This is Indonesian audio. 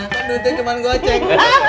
kan duitnya cuman gue ceng